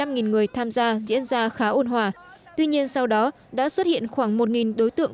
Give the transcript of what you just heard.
người tham gia diễn ra khá ôn hòa tuy nhiên sau đó đã xuất hiện khoảng một đối tượng